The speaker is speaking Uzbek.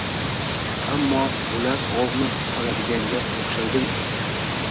Ammo, bular g‘ovni oladiganga o‘xshaydimi?